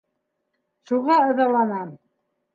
Шуға ыҙаланым.